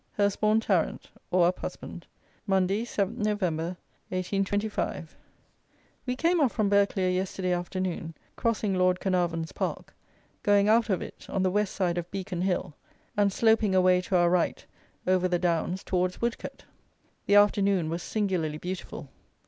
Hurstbourne Tarrant (or Uphusband), Monday, 7th November 1825. We came off from Burghclere yesterday afternoon, crossing Lord Caernarvon's park, going out of it on the west side of Beacon Hill, and sloping away to our right over the downs towards Woodcote. The afternoon was singularly beautiful.